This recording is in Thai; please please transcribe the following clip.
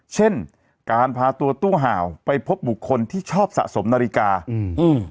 เช่นการพาตัวตู้ห่าวไปพบบุคคลที่ชอบสะสมนาฬิกาอืมอืม